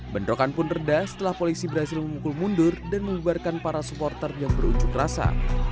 bentrokan pun reda setelah polisi berhasil memukul mundur dan membubarkan para supporter yang berunjuk rasa